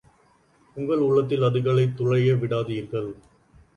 உங்கள் உள்ளத்தில் அதுகளை துழைய விடாதீர்கள்.